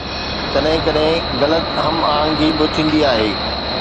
ڪڏهن ڪڏهن غلط هم آهنگي به ٿيندي آهي